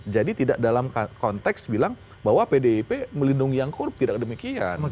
jadi tidak dalam konteks bilang bahwa pdip melindungi angkorp tidak demikian